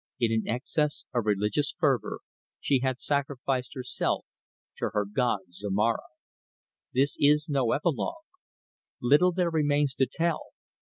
In an excess of religious fervour she had sacrificed herself to her god Zomara. This is no apologue. Little there remains to tell.